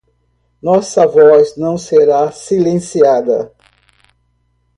Nossa voz não será silenciada.